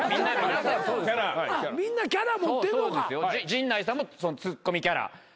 陣内さんもツッコミキャラ。